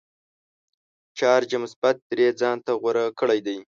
چارج یې مثبت درې ځانته غوره کړی دی.